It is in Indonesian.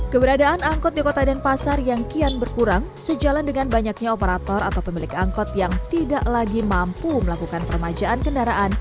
keberadaan angkot di kota denpasar yang kian berkurang sejalan dengan banyaknya operator atau pemilik angkot yang tidak lagi mampu melakukan permajaan kendaraan